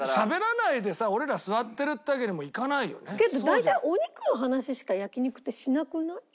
大体お肉の話しか焼肉ってしなくない？